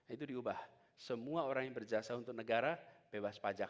itu diubah semua orang yang berjasa untuk negara bebas pajak